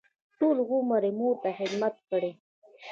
ټول عمر یې مور ته خدمت کړی.